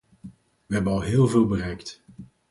We hebben al heel veel bereikt.